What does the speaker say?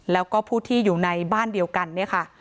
แล้วก็ผู้ที่อยู่ในบ้านเดียวกันเนี่ยค่ะ